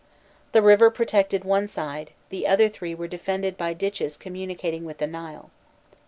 The river protected one side; the other three were defended by ditches communicating with the Nile.